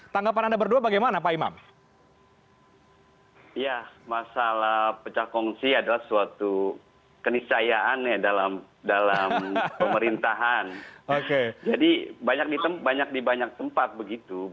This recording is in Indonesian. ternyata allah takdirkan begitu